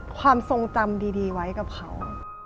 ความทรงจำดีไว้กับเขา